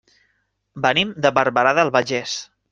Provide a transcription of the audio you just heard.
Venim de Barberà del Vallès.